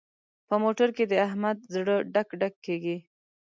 په موټر کې د احمد زړه ډک ډک کېږي.